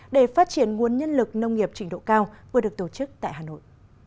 để phát triển nguồn nhân lực nông nghiệp trình độ cao vừa được tổ chức tại hà nội